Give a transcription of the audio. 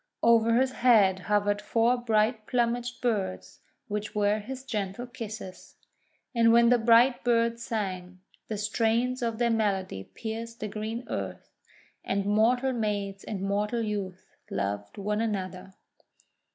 Over his head hovered four bright plumaged birds, which were his gentle kisses. And when the bright birds sang, the strains of their melody pierced the green earth, and mortal maids and mortal youths loved one another.